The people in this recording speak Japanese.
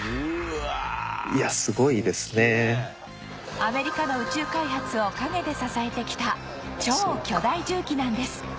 アメリカの宇宙開発を陰で支えてきた超巨大重機なんです